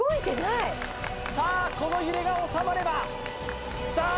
さあこの揺れが収まればさあ